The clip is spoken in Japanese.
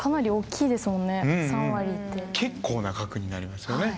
結構な額になりますよね。